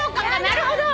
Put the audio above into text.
なるほど！